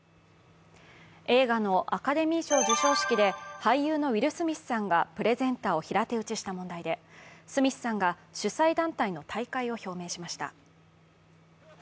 映画のアカデミー賞授賞式で俳優のウィル・スミスさんがプレゼンターを平手打ちした問題で、スミスさんが主催団体の退会を表明しました。